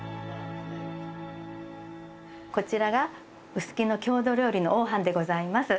こちらが臼杵の郷土料理の黄飯でございます。